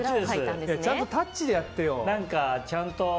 ちゃんとタッチでやってよ。